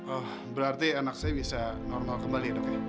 oh berarti anak saya bisa normal kembali dok ya